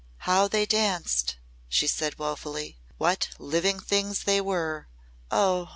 "How they danced!" she said woefully. "What living things they were! Oh!"